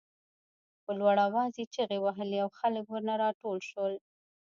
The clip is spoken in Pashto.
په لوړ آواز یې چغې وهلې او خلک ورنه راټول شول.